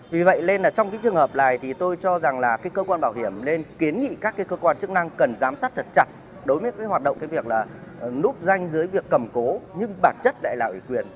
vì vậy nên là trong cái trường hợp này thì tôi cho rằng là cái cơ quan bảo hiểm nên kiến nghị các cơ quan chức năng cần giám sát thật chặt đối với cái hoạt động cái việc là núp danh dưới việc cầm cố nhưng bản chất lại là ủy quyền